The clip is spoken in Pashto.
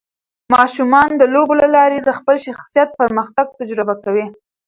ماشومان د لوبو له لارې د خپل شخصیت پرمختګ تجربه کوي.